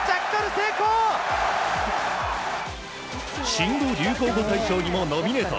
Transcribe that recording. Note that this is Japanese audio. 新語・流行語大賞にもノミネート。